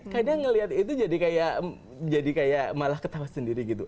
kadang ngeliat itu jadi kayak jadi kayak malah ketawa sendiri gitu